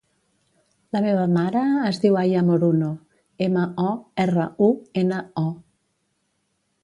La meva mare es diu Aya Moruno: ema, o, erra, u, ena, o.